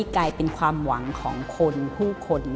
กลายเป็นความหวังของคนผู้คน